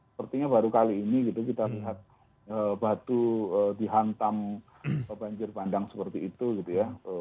sepertinya baru kali ini gitu kita lihat batu dihantam banjir bandang seperti itu gitu ya